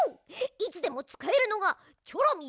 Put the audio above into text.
いつでもつかえるのがチョロミー